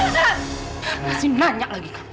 kasih banyak lagi kamu